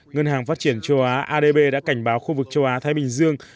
ngân hàng phát triển châu á adb đã cảnh báo khu vực châu á thái bình dương